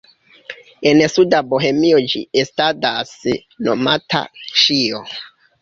En suda Bohemio ĝi estadas nomata "ŝijo".